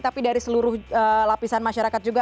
tapi dari seluruh lapisan masyarakat juga